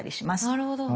なるほど。